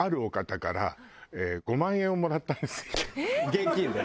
現金で？